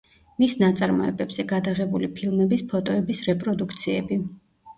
მის ნაწარმოებებზე გადაღებული ფილმების ფოტოების რეპროდუქციები.